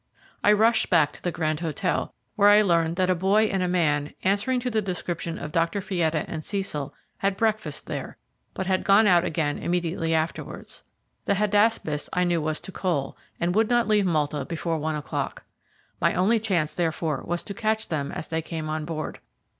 I rushed back to the Grand Hotel, where I learned that a boy and a man, answering to the description of Dr. Fietta and Cecil, had breakfasted there, but had gone out again immediately afterwards. The Hydaspes I knew was to coal, and would not leave Malta before one o'clock. My only chance, therefore, was to catch them as they came on board.